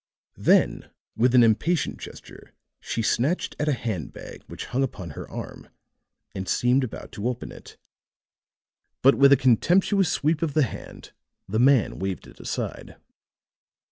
Then with an impatient gesture she snatched at a hand bag which hung upon her arm and seemed about to open it. But with a contemptuous sweep of the hand the man waved it aside.